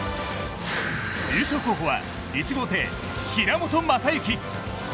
優勝候補は１号艇・平本真之。